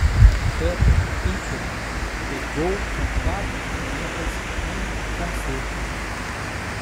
Peter Piper pegou um bocado de pimentas em conserva.